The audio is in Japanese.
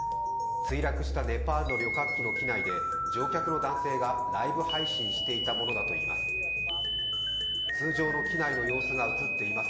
墜落したネパールの旅客機の機内で乗客の男性がライブ配信していたものだといいます。